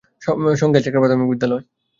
সঙ্গে আছে একটা প্রাথমিক বিদ্যালয়।